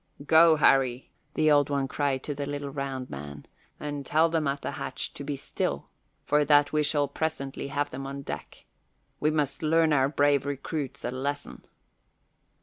"Go, Harry," the Old One cried to the little round man, "and tell them at the hatch to be still, for that we shall presently have them on deck. We must learn our brave recruits a lesson."